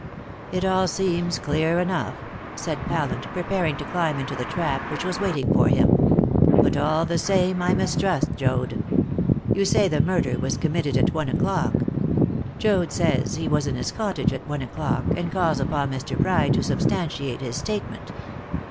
"It all seems clear enough," said Pallant, preparing to climb into the trap which was waiting for him; "but, all the same, I mistrust Joad. You say the murder was committed at one o'clock. Joad says he was in his cottage at one o'clock, and calls upon Mr. Pride to substantiate his statement.